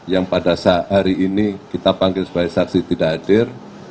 yang pada saat hari ini kita panggil sebagai saksi tidak hadir